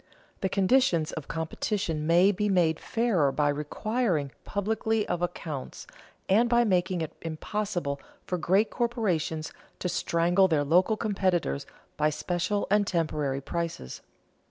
The conditions of competition may be made fairer by requiring publicity of accounts, and by making it impossible for great corporations to strangle their local competitors by special and temporary prices.